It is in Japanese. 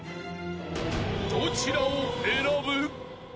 ［どちらを選ぶ？］